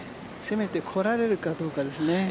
攻めてこられるかどうかですね。